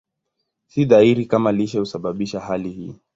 Si dhahiri kama lishe husababisha hali hii.